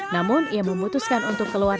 namun ia memutuskan untuk keluar